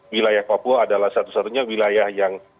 wilayah papua adalah satu satunya wilayah yang